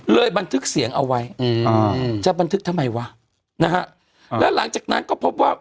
บันทึกเสียงเอาไว้อืมอ่าจะบันทึกทำไมวะนะฮะแล้วหลังจากนั้นก็พบว่า